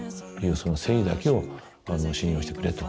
その誠意だけを信用してくれと。